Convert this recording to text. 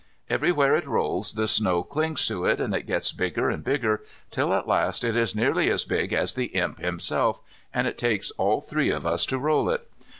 Everywhere it rolls the snow clings to it, and it gets bigger and bigger till at last it is nearly as big as the Imp himself and it takes all three of us to roll it.